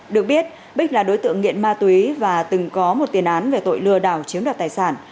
được biết bích là đối tượng nghiện ma túy và từng có một tiền án về tội lừa đảo chiếm đoạt tài sản